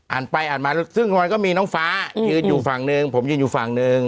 อ่านไปอ่านมาซึ่งรอยก็มีน้องฟ้ายืนอยู่ฝั่งหนึ่งผมยืนอยู่ฝั่งหนึ่ง